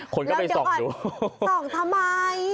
คนก็ไปศอกอยู่แล้วก็ยังไงศอกทำไม